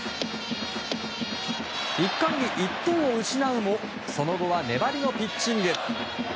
１回に１点を失うもその後は粘りのピッチング。